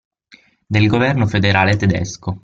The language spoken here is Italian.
Del Governo Federale Tedesco.